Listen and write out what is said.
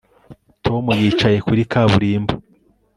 Tom yicaye kuri kaburimbo